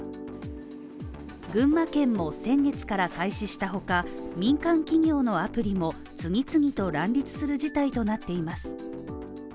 群馬県も先月から開始したほか、民間企業のアプリも次々と乱立する事態となっています。